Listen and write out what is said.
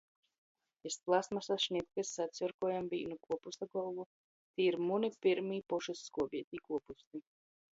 Iz plastmasa šnitkys sacjorkuojom vīnu kuopusta golvu. Tī ir muni pyrmī pošys skuobeitī kuopusti.